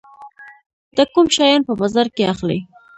ته کوم شیان په بازار کې اخلي؟